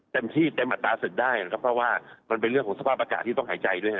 เต็มที่เต็มอัตราศึกได้นะครับเพราะว่ามันเป็นเรื่องของสภาพอากาศที่ต้องหายใจด้วยฮ